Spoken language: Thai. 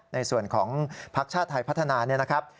ในส่วนของภักดิ์ชาติไทยพัฒนาเนี่ยนะครับ